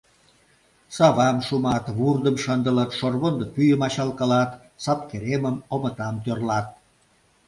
Савам шумат, вурдым шындылыт, шорвондо пӱйым ачалкалат, сапкеремым, омытам тӧрлат.